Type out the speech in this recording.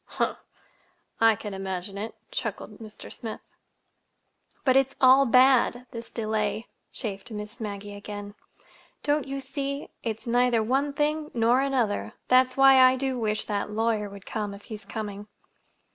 "Humph! I can imagine it," chuckled Mr. Smith. "But it's all bad—this delay," chafed Miss Maggie again. "Don't you see? It's neither one thing nor another. That's why I do wish that lawyer would come, if he's coming."